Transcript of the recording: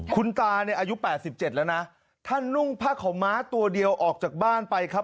คุณตาเนี่ยอายุ๘๗แล้วนะท่านนุ่งผ้าขาวม้าตัวเดียวออกจากบ้านไปครับ